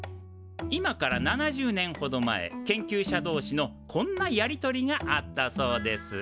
今から７０年ほど前研究者同士のこんなやり取りがあったそうです。